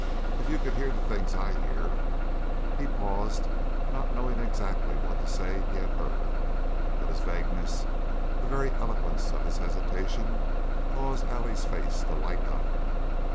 If you could hear the things I hear " He paused, not knowing exactly what to say he had heard, but his vagueness, the very eloquence of his hesitation, caused Allie's face to light up.